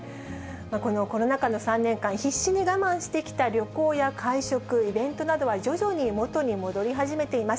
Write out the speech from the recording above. このコロナ禍の３年間、必死に我慢してきた旅行や会食、イベントなどは徐々に元に戻り始めています。